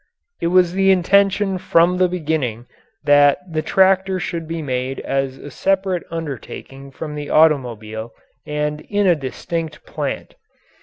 It was the intention from the beginning that the tractor should be made as a separate undertaking from the automobile and in a distinct plant.